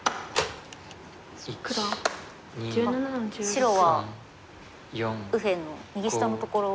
白は右辺の右下のところ。